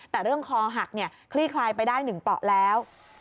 แต่เรื่องคอหักเนี่ยคลี่คลายไปได้หนึ่งต่อแล้ว